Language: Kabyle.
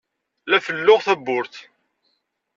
La felluɣ tawwurt.